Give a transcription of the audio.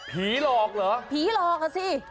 หลอกเหรอผีหลอกอ่ะสิ